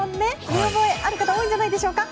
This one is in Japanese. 見覚えある方多いんじゃないでしょうか？